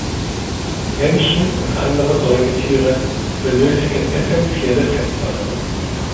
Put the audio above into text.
Menschen und andere Säugetiere benötigen essenzielle Fettsäuren.